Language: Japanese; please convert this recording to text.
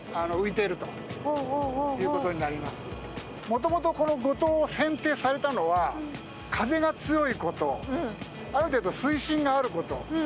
もともとこの五島選定されたのは風が強いことある程度水深があること